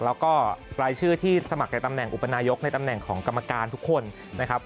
แล้วก็รายชื่อที่สมัครในตำแหน่งอุปนายกในตำแหน่งของกรรมการทุกคนนะครับ